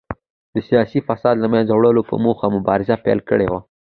د سیاسي فساد له منځه وړلو په موخه مبارزه پیل کړې وه.